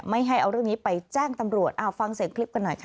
ไม่ให้เอาเรื่องนี้ไปแจ้งตำรวจฟังเสียงคลิปกันหน่อยค่ะ